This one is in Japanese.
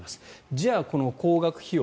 じゃあこの高額費用